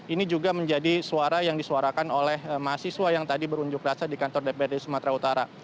ini juga menjadi suara yang disuarakan oleh mahasiswa yang tadi berunjuk rasa di kantor dprd sumatera utara